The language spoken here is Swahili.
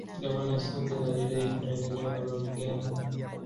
Gavana Soden alidai kutoendelea na mapigano